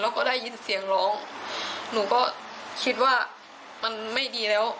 แล้วก็ได้ยินเสียงร้องหนูก็คิดว่ามันไม่ดีแล้ว